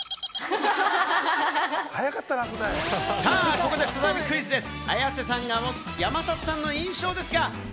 ここで再びクイズです。